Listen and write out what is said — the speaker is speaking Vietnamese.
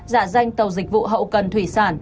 giả danh tàu dịch vụ hậu cần thủy sản